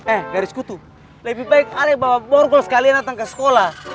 eh dari sekutu lebih baik ale bawa borgol sekalian datang ke sekolah